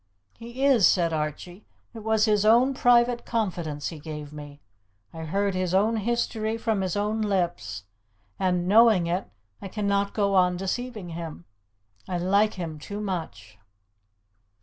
"He is," said Archie. "It was his own private confidence he gave me. I heard his own history from his own lips, and, knowing it, I cannot go on deceiving him. I like him too much."